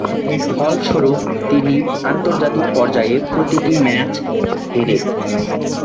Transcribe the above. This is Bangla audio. ফলস্বরূপ, তিনি আন্তর্জাতিক পর্যায়ে প্রতিটি ম্যাচ হেরে।